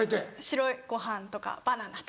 白いご飯とかバナナとか。